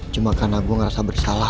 cuma karena gue ngerasa bersalah